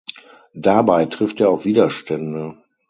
Dabei trifft er auf Widerstände.